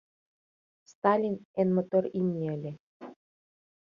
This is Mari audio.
«Сталин» — эн мотор имне ыле.